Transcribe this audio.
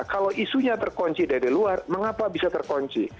kalau isunya terkunci dari luar mengapa bisa terkunci